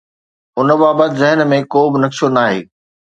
ان بابت ذهن ۾ ڪو به نقشو ناهي.